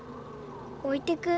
置いてく。